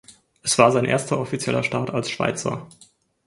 Es war sein erster offizieller Start als Schweizer.